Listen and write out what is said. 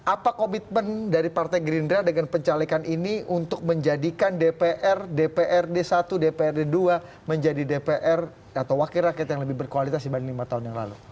apa komitmen dari partai gerindra dengan pencalekan ini untuk menjadikan dpr dprd satu dprd dua menjadi dpr atau wakil rakyat yang lebih berkualitas dibanding lima tahun yang lalu